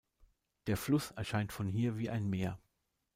Der Fluss erscheint von hier wie ein Meer.